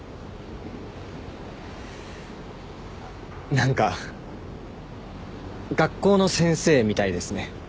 何か学校の先生みたいですね。